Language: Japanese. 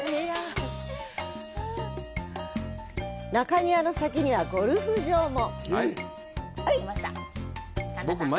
中庭の先にはゴルフ場も。